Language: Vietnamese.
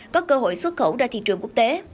có cơ hội xuất khẩu ra thị trường quốc tế